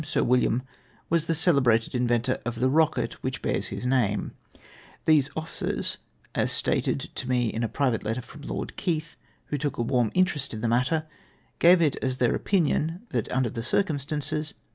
Sir William, was the celebrated inventor of the rocket which bears his name. These officers — as stated to me in a private letter from Lord Keith, who took a warm interest in the matter — gave it as their opinion that under the cuxumstances Q 2 228 UY PLANS SUBMITTED TO THE TRIXCE EEGENT.